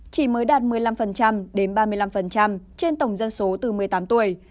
chỉ mới đạt một mươi năm đến ba mươi năm trên tổng dân số từ một mươi tám tuổi